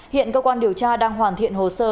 hiện cơ quan điều tra đang hoàn thiện hồ sơ